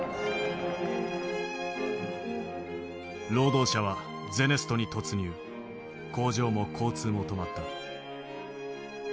労働者はゼネストに突入工場も交通も止まった。